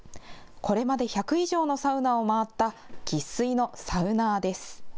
これまで１００以上のサウナを回った生っ粋のサウナーです。